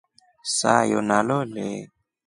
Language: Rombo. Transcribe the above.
Sayo nalole.